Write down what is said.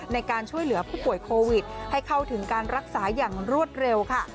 ในการช่วยเหลือผู้ป่วยโควิดให้เข้าถึงการรักษาอย่างรวดเร็วค่ะ